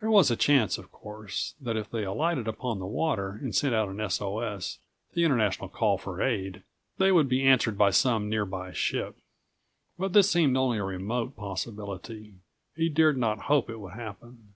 There was a chance, of course, that if they alighted upon the water and sent out an S. O. S., the international call for aid, they would be answered by some near by ship. But this seemed only a remote possibility. He dared not hope it would happen.